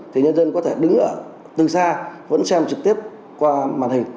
thì nhân dân có thể đứng ở từ xa vẫn xem trực tiếp qua màn hình